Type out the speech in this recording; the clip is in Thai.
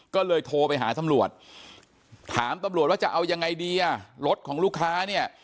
ก็เลยโทรไปหาตำรวจถามตำรวจว่าจะเอายังไงดีอ่ะรถของลูกค้าเนี่ย